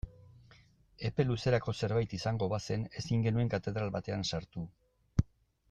Epe luzerako zerbait izango bazen ezin genuen katedral batean sartu.